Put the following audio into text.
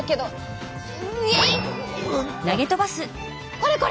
これこれ！